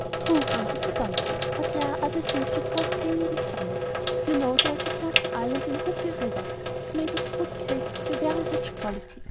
"True," answered the donkey; "but there are other things that cause pain in the stomach. You know there is a certain island in Rootbeer River that is made of fruit cake of a very rich quality.